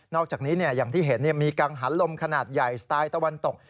อกจากนี้อย่างที่เห็นมีกังหันลมขนาดใหญ่สไตล์ตะวันตก